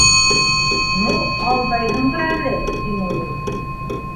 — Ну, алдайһыңдыр әле, — тине ул.